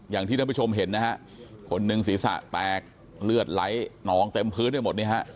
อย่างที่ท่านผู้ชมเห็นนะฮะคนหนึ่งศีรษะแตกเลือดไหลนองเต็มพื้นไปหมดนี่ฮะ